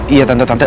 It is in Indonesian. iya tante tante